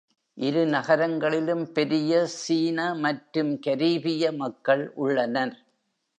இரு நகரங்களிலும் பெரிய சீன மற்றும் கரீபிய மக்கள் உள்ளனர்.